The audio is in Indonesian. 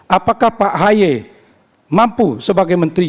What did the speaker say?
apakah pak ahy mampu sebagai menteri